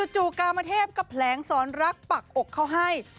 จู่กามเทพก็แผลงสอนรักปักอกเขาให้